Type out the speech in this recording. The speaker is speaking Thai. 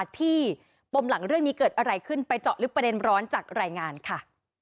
ที่ปมหลังเรื่องนี้เกิดอะไรขึ้นไปเจาะลึกประเด็นร้อนจากรายงานค่ะ